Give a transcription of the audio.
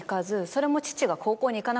それも父が。